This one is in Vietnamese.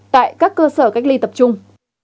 tại các cơ sở cách ly tập trung